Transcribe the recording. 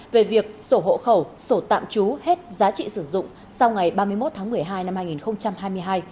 về việc sổ hộ khẩu sổ tạm trú hết giá trị sử dụng sau ngày ba mươi một tháng một mươi hai năm hai nghìn hai mươi hai